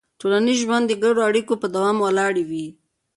ټولنیز ژوند د ګډو اړیکو په دوام ولاړ وي.